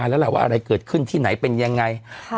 แล้วล่ะว่าอะไรเกิดขึ้นที่ไหนเป็นยังไง